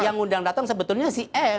yang undang datang sebetulnya si m